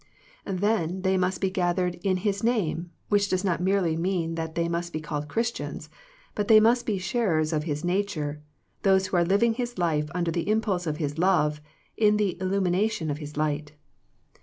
Then they must be gathered " in His name," which does not merely mean that they must be called Christians, but they must be sharers of His nature, those who are living His life, under the impulse of His love, in the illu mination of His light.